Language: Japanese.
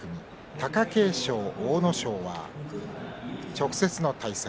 貴景勝、阿武咲は直接の対戦。